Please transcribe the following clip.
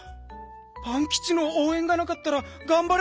パンキチのおうえんがなかったらがんばれなかった。